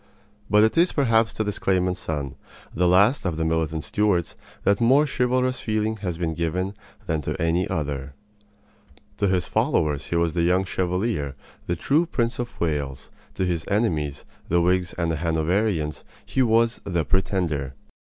But it is perhaps to this claimant's son, the last of the militant Stuarts, that more chivalrous feeling has been given than to any other. To his followers he was the Young Chevalier, the true Prince of Wales; to his enemies, the Whigs and the Hanoverians, he was "the Pretender."